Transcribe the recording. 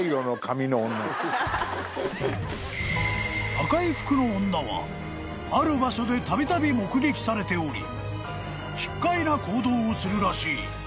［赤い服の女はある場所でたびたび目撃されており奇っ怪な行動をするらしい］